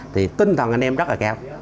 thì tinh thần anh em rất là cao